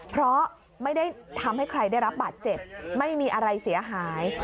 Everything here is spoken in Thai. เพราะไม่ได้ทำให้ใครได้รับบาดเจ็บไม่มีอะไรเสียหาย